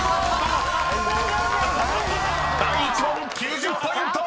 ［第１問９０ポイント！］